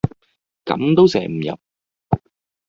咁都射唔入